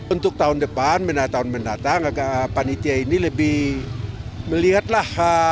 untuk tahun depan menatang menatang agak panitia ini lebih melihatlah